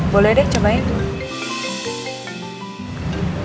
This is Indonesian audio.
boleh deh cobain